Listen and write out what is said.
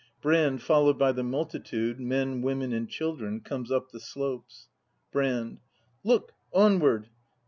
Brand, followed by the multitude — men, women, and children, — comes up the slopes. Brand. Look onward!